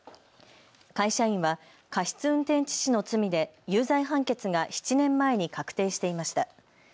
会社員は過失運転致死の罪で有罪判決が７年前に確定していました。